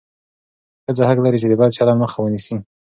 ښځه حق لري چې د بد چلند مخه ونیسي.